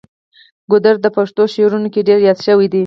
ګودر د پښتو شعرونو کې ډیر یاد شوی دی.